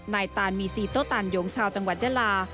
ตานมีซีโต้ตานโยงชาวจังหวัดยาลา